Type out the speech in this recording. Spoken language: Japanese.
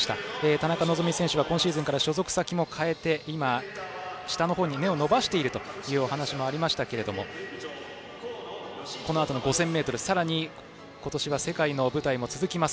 田中希実選手は今シーズンから所属先を変えて今、下の方に根を伸ばしているという話もありましたがこのあとの５０００ｍ、さらに今年は世界の舞台も続きます。